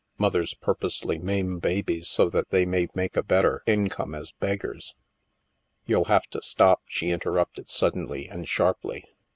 Mothers pur posely maim babies so that they may make a better income as beggars." " You'll have to stop," she interrupted suddenly and sharply.